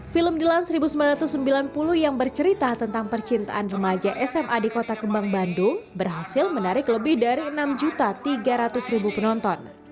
film dilan seribu sembilan ratus sembilan puluh yang bercerita tentang percintaan remaja sma di kota kembang bandung berhasil menarik lebih dari enam tiga ratus penonton